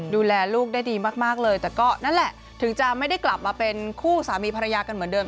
ดูแลลูกได้ดีมากเลยแต่ก็นั่นแหละถึงจะไม่ได้กลับมาเป็นคู่สามีภรรยากันเหมือนเดิม